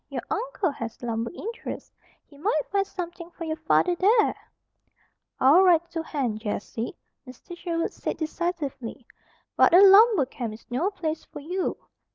Your uncle has lumber interests. He might find something for your father there." "I'll write to Hen, Jessie," Mr. Sherwood said decisively. "But a lumber camp is no place for you.